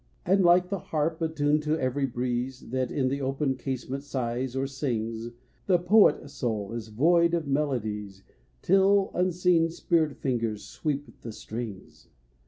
And like the harp, attuned to every breeze, That in the open casement sighs or sings, The poet soul is void of melodies Till unseen spirit fingers sweep the strings.